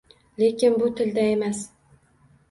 Lekin bu til da emas.